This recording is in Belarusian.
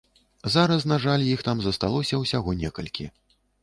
Зараз, на жаль, іх там засталося ўсяго некалькі.